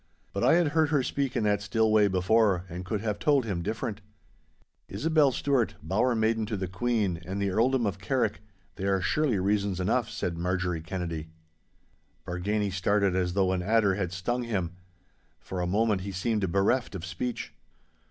But I had heard her speak in that still way before, and could have told him different. 'Isobel Stewart, bower maiden to the Queen, and the Earldom of Carrick—they are surely reasons enough!' said Marjorie Kennedy. Bargany started as though an adder had stung him. For a moment he seemed bereft of speech.